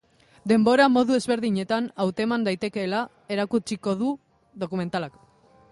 Denbora modu ezberdinetan hauteman daitekeela erakutsiko du dokumentalak.